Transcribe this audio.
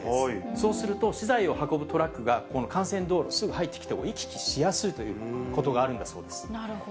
そうすると、資材を運ぶトラックが、この幹線道路、すぐ入ってきたほうが行き来しやすいということがあるんだそうでなるほど。